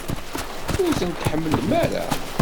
Ur tent-tḥemmlem ara?